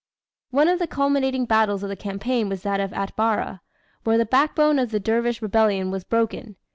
One of the culminating battles of the campaign was that of Atbara, where the backbone of the dervish rebellion was broken.